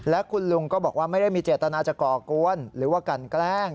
และคุณลุงก็บอกว่าไม่ได้มีเจตนาจะก่อกวนหรือว่ากันแกล้ง